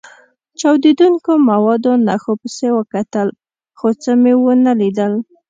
چاودېدونکو موادو نښو پسې وکتل، خو څه مې و نه لیدل.